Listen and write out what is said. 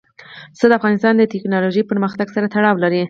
پسه د افغانستان د تکنالوژۍ پرمختګ سره تړاو لري.